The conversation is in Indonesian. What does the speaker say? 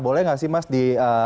boleh nggak sih mas di